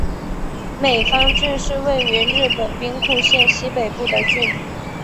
美方郡是位于日本兵库县西北部的郡。